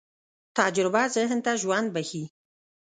تجربه ذهن ته ژوند بښي.